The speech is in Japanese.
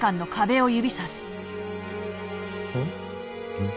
うん？